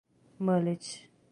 Mallet